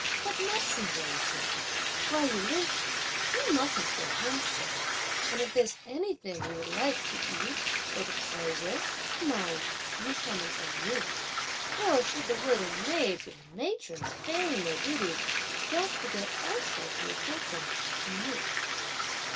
What medicines are you taking? while you live here, you mustn't feel homesick; and if there's anything you would like to eat, or to play with, mind you come and tell me! or should the waiting maids or the matrons fail in their duties, don't forget also to report them to me."